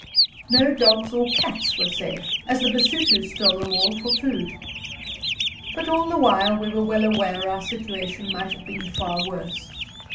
No dogs or cats were safe, as the Basutos stole them all for food. But all the while we were well aware our situation might have been far worse.